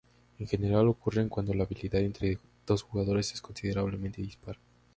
En general, ocurren cuando la habilidad entre dos jugadores es considerablemente dispar.